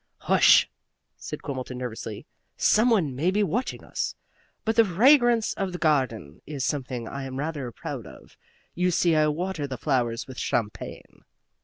"Hush!" said Quimbleton, nervously. "Some one may be watching us. But the fragrance of the garden is something I am rather proud of. You see, I water the flowers with champagne."